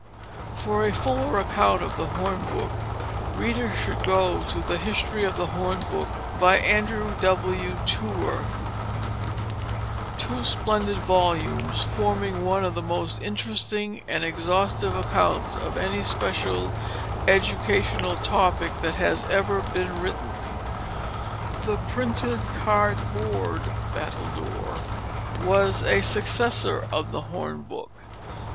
For a fuller account of the hornbook, readers should go to the History of the Hornbook, by Andrew W. Tuer, two splendid volumes forming one of the most interesting and exhaustive accounts of any special educational topic that has ever been written. The printed cardboard battledore was a successor of the hornbook.